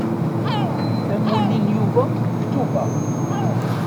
Amulli n Yuba deg Tubeṛ.